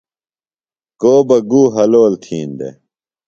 کو بہ گُو حلول تِھین دےۡ۔